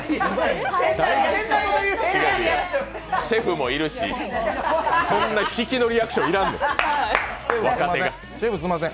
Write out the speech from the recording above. シェフもいるし、そんな引きのリアクション要らんねん。